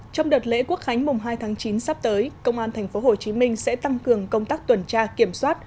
trong đợt lễ quốc khánh mùng hai tháng chín sắp tới công an tp hcm sẽ tăng cường công tác tuần tra kiểm soát